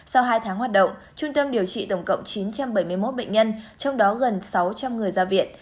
sau hai tháng hoạt động trung tâm điều trị tổng cộng chín trăm bảy mươi một bệnh nhân trong đó gần sáu trăm linh người ra viện